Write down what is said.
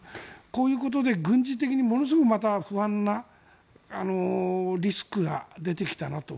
こういうことで軍事的にものすごく不安なリスクが出てきたなと。